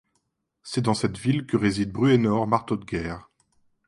C'est dans cette ville que réside Bruenor Marteaudeguerre.